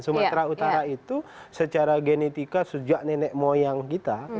sumatera utara itu secara genetika sejak nenek moyang kita